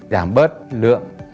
giảm bớt lượng